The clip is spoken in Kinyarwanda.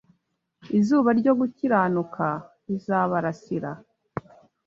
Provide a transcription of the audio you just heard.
Izuba ryo gukiranuka rizabarasira